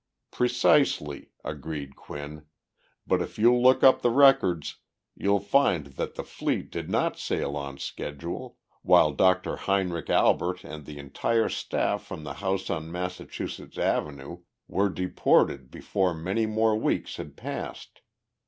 "Precisely," agreed Quinn. "But if you'll look up the records you'll find that the fleet did not sail on schedule, while Dr. Heinrich Albert and the entire staff from the house on Massachusetts Avenue were deported before many more weeks had passed.